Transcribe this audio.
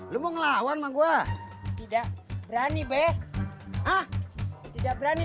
lembong lawan ma gua tidak berani beh ah tidak berani